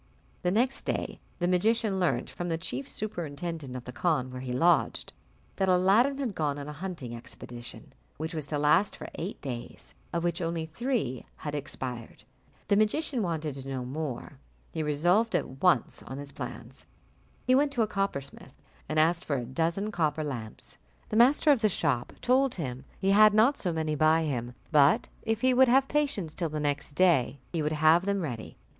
The next day the magician learnt, from the chief superintendent of the khan where he lodged, that Aladdin had gone on a hunting expedition, which was to last for eight days, of which only three had expired. The magician wanted to know no more, He resolved at once on his plans. He went to a coppersmith, and asked for a dozen copper lamps: the master of the shop told him he had not so many by him, but if he would have patience till the next day, he would have them ready.